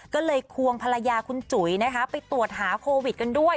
แล้วก็ควรพลายาคุณจุ๋ยไปตรวจหาโควิดกันด้วย